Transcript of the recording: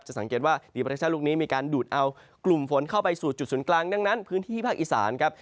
สังเกตว่าดีประเทศชาติลูกนี้มีการดูดเอากลุ่มฝนเข้าไปสู่จุดศูนย์กลางดังนั้นพื้นที่ภาคอีสานครับ